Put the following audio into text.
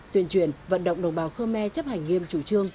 tuyển chuyển vận động đồng bào khơ me chấp hành nghiêm chủ trương